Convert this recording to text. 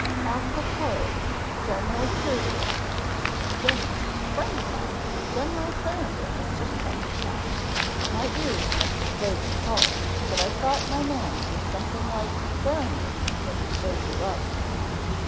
"A propos general survey General a friend of mine, General Clarendon is just come to town. My ears must have played me false, but I thought my man said something like Clarendon when he showed you up."